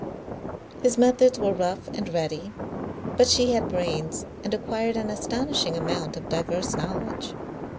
His methods were rough and ready, but she had brains, and acquired an astonishing amount of diverse knowledge.